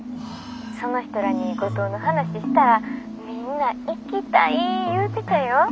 その人らに五島の話したらみんな行きたい言うてたよ。